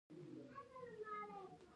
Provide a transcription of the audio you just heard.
هغوی یوځای د محبوب دریا له لارې سفر پیل کړ.